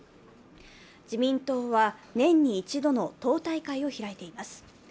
自民党は年に一度の党大会を開いています。